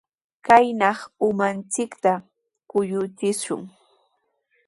Kaynaw umanchikta kuyuchishun.